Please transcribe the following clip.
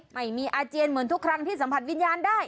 ไม่มีอาเจียนเหมือนทุกครั้งที่สัมผัสวิญญาณได้